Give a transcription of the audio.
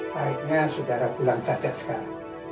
baiknya saudara pulang saja sekarang